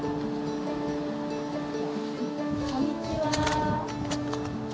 こんにちは。